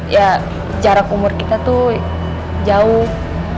ya jarak umur kita tuh jauh